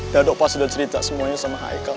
dado pasti udah cerita semuanya sama haikal